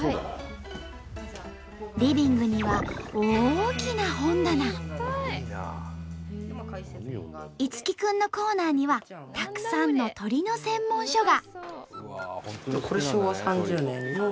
リビングには樹くんのコーナーにはたくさんの鳥の専門書が。